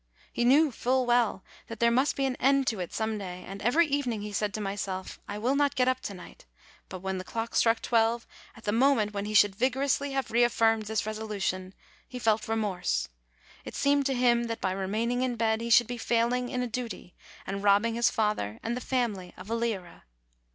He knew full well that there must be an end to it some day, and every evening he said to himself, "I will not get up to night;" but when the clock struck twelve, at the mo ment when he should vigorously have reaffirmed his resolution, he felt remorse : it seemed to him, that by remaining in bed he should be failing in a duty, and robbing his father and the family of a lira.